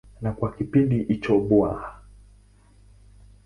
Na kwa kipindi hicho Bw.